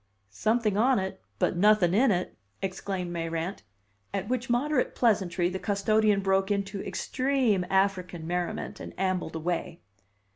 "Something on it, but nothing in it!" exclaimed Mayrant; at which moderate pleasantry the custodian broke into extreme African merriment and ambled away.